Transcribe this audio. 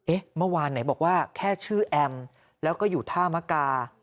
เมื่อวานไหนบอกว่าแค่ชื่อแอมแล้วก็อยู่ท่ามกา